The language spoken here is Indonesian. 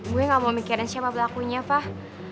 gue gak mau mikirin siapa pelakunya fah